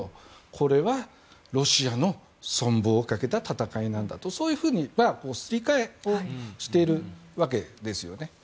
これはロシアの存亡をかけた戦いなんだとそういうふうにすり替えをしているわけですね。